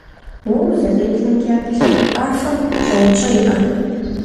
Уэ узэреплъымкӏэ, лъэпкъ къафэм щӀэупщӀэ иӀэ?